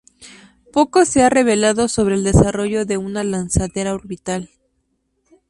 Poco se ha revelado sobre el desarrollo de una lanzadera orbital.